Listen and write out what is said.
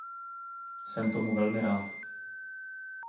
Jsem tomu velmi rád.